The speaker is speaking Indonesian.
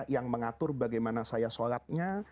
yang mengatur bagaimana saya sholatnya